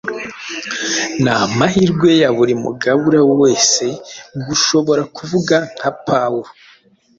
Ni amahirwe ya buri mugabura wese gushobora kuvuga nka Pawulo.